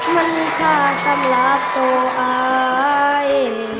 มันค่ากันหลากตัวไอ้